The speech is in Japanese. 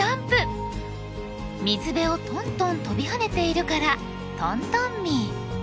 水辺をトントン跳びはねているからトントンミー。